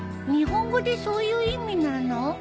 日本語でそういう意味なの？